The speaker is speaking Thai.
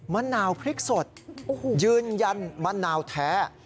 มะนาวพริกสดยืนยันมะนาวแท้